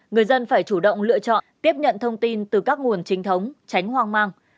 người dân phải chủ động lựa chọn tiếp nhận thông tin từ các nguồn trinh thống tránh hoang mang